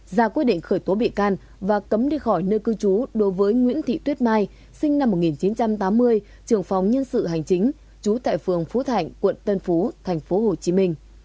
ra quyết định khởi tố bị can và cấm đi khỏi nơi cư trú đối với nguyễn thị tuyết mai sinh năm một nghìn chín trăm tám mươi trường phòng nhân sự hành chính trú tại phường phú thạnh quận tân phú tp hcm